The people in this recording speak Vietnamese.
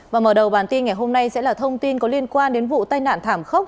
và mở đầu bản tin ngày hôm nay sẽ là thông tin có liên quan đến vụ tai nạn thảm khốc